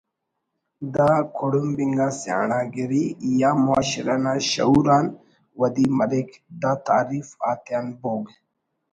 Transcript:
دا کڑمب انگا سیانڑاگری یا معاشرہ نا شعور آن ودی مریک دا تعریف آتیان بوگ